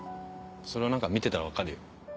それは何か見てたら分かるよ。